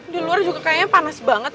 di luar juga kayaknya panas banget